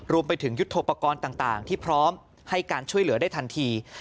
ยุทธโปรกรณ์ต่างที่พร้อมให้การช่วยเหลือได้ทันที